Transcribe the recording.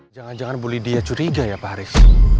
jangan jangan bu lydia curiga ya pak haris